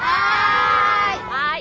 はい。